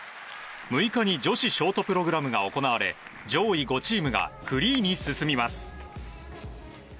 ６日に女子ショートプログラムが行われ上位５チームがフリーに進みます。